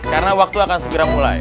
karena waktu akan segera mulai